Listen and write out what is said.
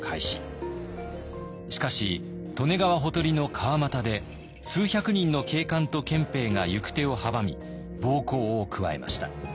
しかし利根川ほとりの川俣で数百人の警官と憲兵が行く手を阻み暴行を加えました。